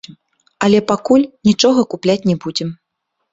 Але пакуль нічога купляць не будзем.